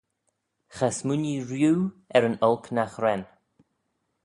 Cha smooinee rieau er yn olk nagh ren